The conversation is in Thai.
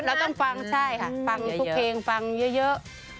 เราต้องฟังใช่ค่ะฟังทุกเพลงฟังเยอะ